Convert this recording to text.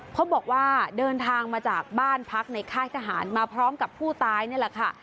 เขาบอกว่าเดินทางมาจากบ้านพักในค่ายทหารมาพร้อมกับผู้ตายนี่แหละค่ะ